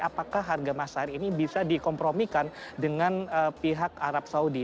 apakah harga masyair ini bisa dikompromikan dengan pihak arab saudi